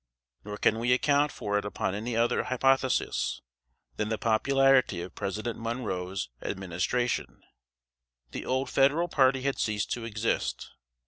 Nor can we account for it upon any other hypothesis, than the popularity of President Monroe's Administration. The old Federal party had ceased to exist.